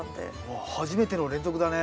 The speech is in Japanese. ああ初めての連続だね。